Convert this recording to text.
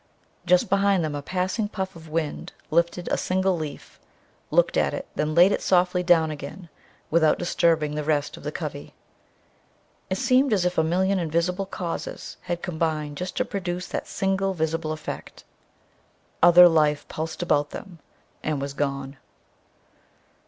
Just behind them a passing puff of wind lifted a single leaf, looked at it, then laid it softly down again without disturbing the rest of the covey. It seemed as if a million invisible causes had combined just to produce that single visible effect. Other life pulsed about them and was gone.